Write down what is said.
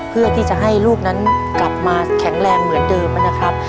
เพื่อที่จะให้ลูกนั้นกลับมาแข็งแรงเหมือนเดิมนะครับ